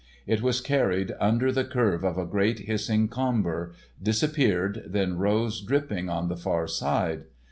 It was carried under the curve of a great hissing comber, disappeared, then rose dripping on the far side.